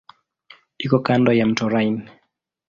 Iko kando ya mto Rhine.